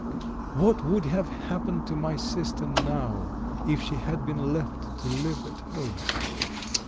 What would have happened to my sister now if she had been left to live at home?